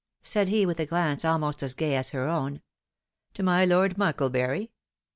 " said he, with a glance almost as gay as her own ;" to my Lord Muoklebury ?